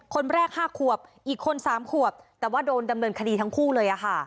คนแรก๕ขวบอีกคน๓ขวบแต่ว่าโดนดำเนินคดีทั้งคู่เลยค่ะ